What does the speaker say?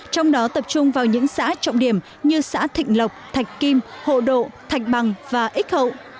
trong đó tập trung vào những xã trọng điểm như xã thịnh lộc thạch kim hộ độ thạch bằng và x hậu